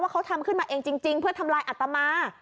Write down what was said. เขาทำขึ้นมาเองจริงเพื่อทำลายอัตมา